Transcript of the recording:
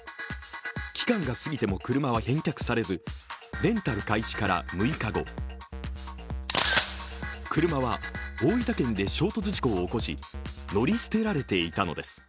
期間が過ぎても車は返却されずレンタル開始から６日後、車は大分県で衝突事故を起こし、乗り捨てられていたのです。